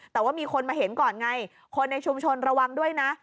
แต่ว่ามีคนมาเห็นก่อนไงคนในชุมชนระวังด้วยนะ